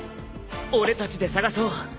俺たちで捜そう。